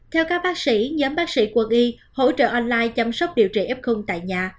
theo các bác sĩ nhóm bác sĩ quân y hỗ trợ online chăm sóc điều trị f tại nhà